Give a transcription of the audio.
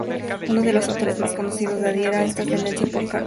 Uno de los autores más conocidos, que adhieren a esta tendencia, es Karl Popper.